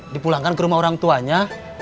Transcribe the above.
dipulangkan ke rumah orang tuanya